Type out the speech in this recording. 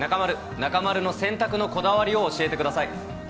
中丸の洗濯のこだわりを教えてください。